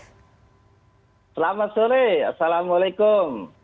selamat sore assalamualaikum